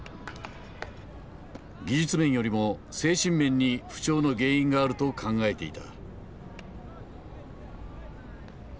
技術面よりも精神面に不調の原因があると考えていた。